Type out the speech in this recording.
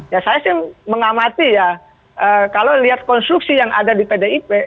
ya saya sih mengamati ya kalau lihat konstruksi yang ada di pdip